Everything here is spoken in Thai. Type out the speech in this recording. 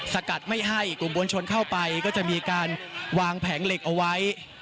สกัดไม่ให้กลุ่มมวลชนเข้าไปก็จะมีการวางแผงเหล็กเอาไว้